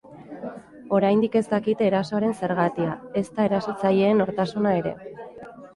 Oraindik ez dakite erasoaren zergatia, ezta erasotzaileen nortasuna ere.